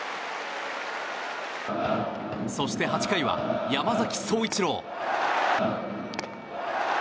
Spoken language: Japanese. そして８回は山崎颯一郎。